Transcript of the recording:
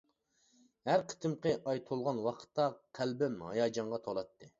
ھەر قېتىمقى ئاي تولغان ۋاقىتتا قەلبىم ھاياجانغا تولاتتى.